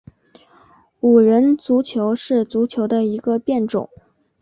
五人足球是足球的一个变种。